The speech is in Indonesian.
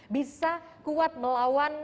bisa kuat melawan